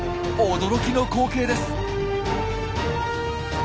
驚きの光景です！